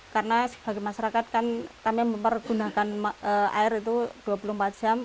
karena sebagai masyarakat kan kami mempergunakan air itu dua puluh empat jam